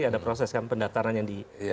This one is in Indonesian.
ada proses kan pendaftaran yang di